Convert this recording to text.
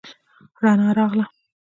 رڼا راغله.